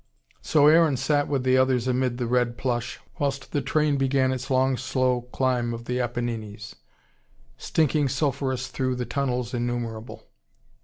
So Aaron sat with the others amid the red plush, whilst the train began its long slow climb of the Apennines, stinking sulphurous through tunnels innumerable.